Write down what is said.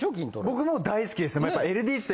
僕も大好きです。